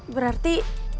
berarti sebelas empat